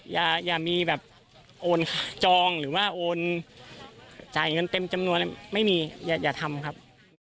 อย่ามีแบบโอนจองหรือว่าโอนจ่ายเงินเต็มจำนวนไม่มีอย่าทำครับ